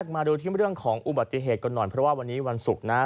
มาดูที่เรื่องของอุบัติเหตุกันหน่อยเพราะว่าวันนี้วันศุกร์นะ